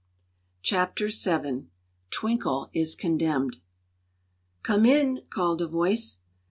Chapter VII Twinkle is Condemned "COME in!" called a voice.